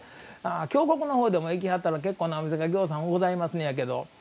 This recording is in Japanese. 京極のほうへ行きはしたら結構なお店がぎょうさんございますねんやけど。